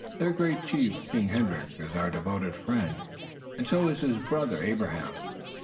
Their great chief, King Hendrick, is our devoted friend, and so is his brother, Abraham.